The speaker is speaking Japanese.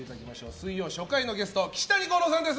水曜初回のゲストは岸谷五朗さんです。